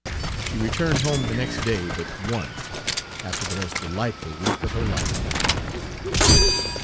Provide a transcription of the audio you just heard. She returned home the next day but one, after the most delightful week of her life.